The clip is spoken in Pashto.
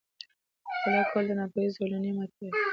• مطالعه کول، د ناپوهۍ زولنې ماتوي.